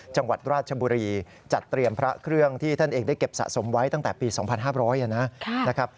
จังหวัดราชบุรีจัดเตรียมพระเครื่องที่ท่านเองได้เก็บสะสมไว้ตั้งแต่ปี๒๕๐๐นะครับ